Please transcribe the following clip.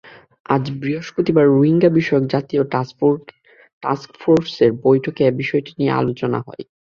আজ বৃহস্পতিবার রোহিঙ্গাবিষয়ক জাতীয় টাস্কফোর্সের বৈঠকে এ বিষয়টি নিয়ে আলোচনা হয়।